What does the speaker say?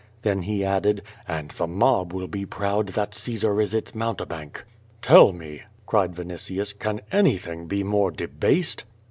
'* Then he added: "And the mob will be proud that Caesar is its mountebank." "Tell me," cried Vinitius, "can anything be more debased?''